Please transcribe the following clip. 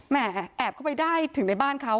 แม่แอบเข้าไปได้ถึงในบ้านเขา